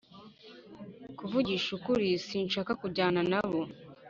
kuvugisha ukuri, sinshaka kujyana nabo.